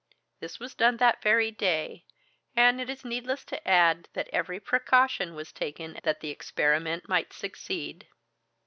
This was done that very day, and it is needless to add, that every precaution was taken that the experiment might succeed.